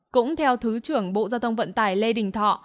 cũng theo thứ trưởng bộ giao thông vận tải lê đình thọ